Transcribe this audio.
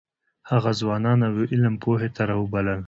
هغه ځوانان علم او پوهې ته راوبلل.